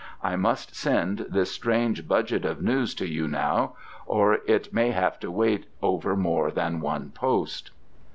I must send this strange budget of news to you now, or it may have to wait over more than one post."